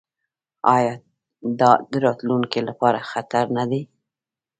آیا دا د راتلونکي لپاره خطر نه دی؟